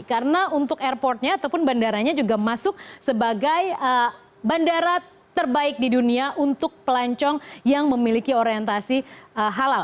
karena untuk airportnya ataupun bandaranya juga masuk sebagai bandara terbaik di dunia untuk pelancong yang memiliki orientasi halal